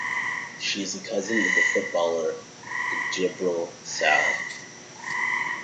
She is the cousin of the footballer Djibril Sow.